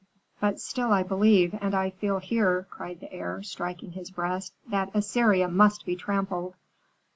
"But still I believe, and I feel here," cried the heir, striking his breast, "that Assyria must be trampled."